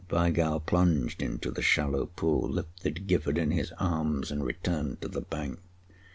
Weigall plunged into the shallow pool, lifted Gifford in his arms and returned to the bank.